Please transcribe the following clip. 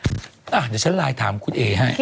เดี๋ยวฉันไลน์ถามคุณเอ๋ให้